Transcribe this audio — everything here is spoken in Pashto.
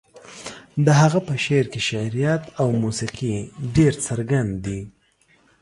د هغه په شعر کې شعريت او موسيقي ډېر څرګند دي.